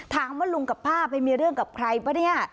ถามว่าลุงกับป้าไปมีเรื่องกับใครปะเนี่ย